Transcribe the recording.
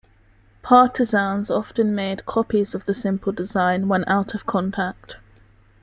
Partizans often made copies of the simple design when out of contact.